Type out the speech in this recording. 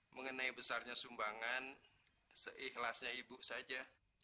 mengenai besarnya sumbangan seikhlasnya ibu saja